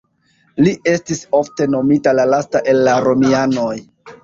Li estis ofte nomita "la lasta el la Romianoj".